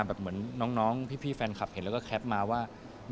เหมือนน้องพี่แฟนคลับเห็นแล้วก็แคปมาว่า